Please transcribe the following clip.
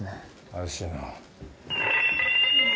怪しいよな。